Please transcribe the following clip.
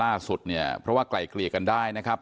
ล่าสุดเนี่ยเพราะว่าไกลเกลี่ยกันได้นะครับ